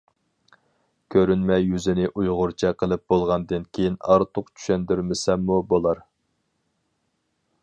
كۆرۈنمە يۈزىنى ئۇيغۇرچە قىلىپ بولغاندىن كېيىن ئارتۇق چۈشەندۈرمىسەممۇ بولار.